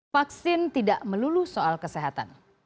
vaksin tidak melulu soal kesehatan